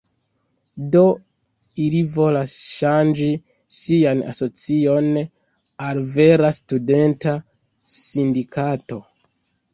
Do ili volas ŝanĝi sian asocion al vera studenta sindikato.